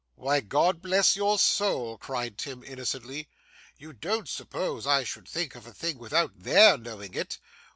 'Why, God bless your soul!' cried Tim, innocently, 'you don't suppose I should think of such a thing without their knowing it!